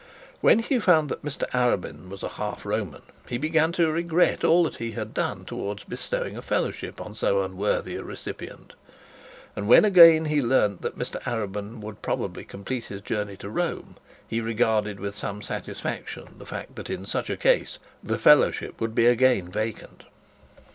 When he found Mr Arabin was a half Roman, he began to regret all that he done towards bestowing a fellowship on so unworthy a recipient; and when again he learnt that Mr Arabin would probably complete his journey to Rome, he regarded with some satisfaction the fact that in such case the fellowship would be again vacant.